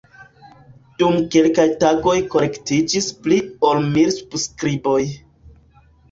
Dum kelkaj tagoj kolektiĝis pli ol mil subskriboj.